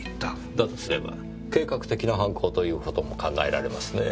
だとすれば計画的な犯行という事も考えられますねぇ。